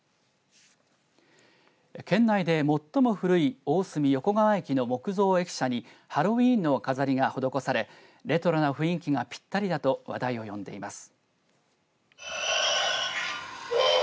県内で最も古い大隅横川駅の木造駅舎にハロウィーンの飾りが施されレトロな雰囲気がぴったりだと話題を呼んでいます。